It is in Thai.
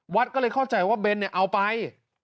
วัดก็เลยเข้าใจว่าเบนเอาไป